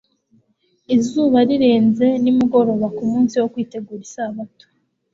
Izuba rirenze nimugoroba ku munsi wo kwitegura isabato,